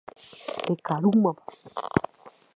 rekarúmapa